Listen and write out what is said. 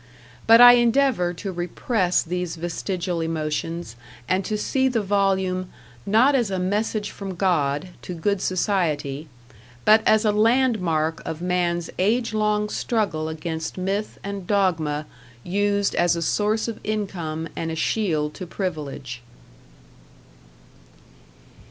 But I endeavor to repress these vestigial emotions and to see the volume not as a message from God to Good Society, but as a landmark of man's age long struggle against myth and dogma used as a source of income and a shield to privilege.